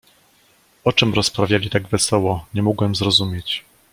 "O czem rozprawiali tak wesoło, nie mogłem zrozumieć."